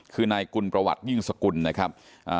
คือนายกุลประวัติยิ่งสกุลนะครับ